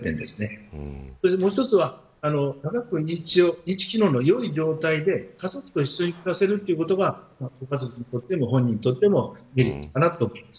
もう１つは認知機能の良い状態で家族と一緒に暮らせることがご家族にとってもご本人にとってもメリットだと思います。